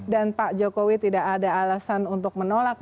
dan pak jokowi tidak ada alasan untuk menolak